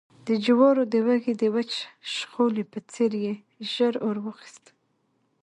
د جوارو د وږي د وچ شخولي په څېر يې ژر اور واخیست